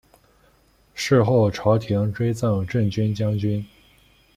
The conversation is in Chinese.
事后朝廷追赠镇军将军。